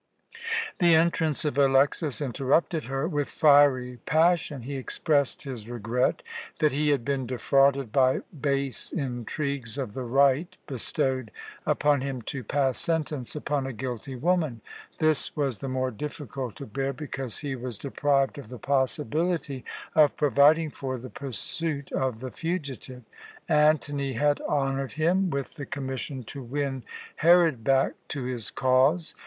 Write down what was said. The entrance of Alexas interrupted her. With fiery passion he expressed his regret that he had been defrauded by base intrigues of the right bestowed upon him to pass sentence upon a guilty woman. This was the more difficult to bear because he was deprived of the possibility of providing for the pursuit of the fugitive. Antony had honoured him with the commission to win Herod back to his cause.